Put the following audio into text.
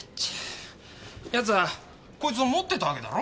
奴はこいつを持っていたワケだろ？